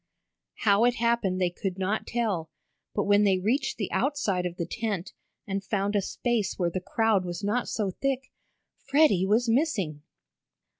How it happened they could not tell, but when they reached the outside of the tent, and found a space where the crowd was not so thick, Freddie was missing.